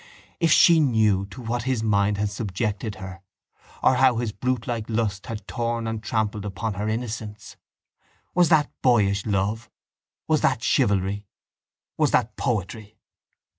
If she knew to what his mind had subjected her or how his brutelike lust had torn and trampled upon her innocence! Was that boyish love? Was that chivalry? Was that poetry?